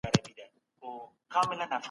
مطالعه باید له تنکيوالې پیل سي.